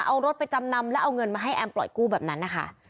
เอารถไปจำนำแล้วเอาเงินมาให้แอมปล่อยกู้แบบนั้นนะคะ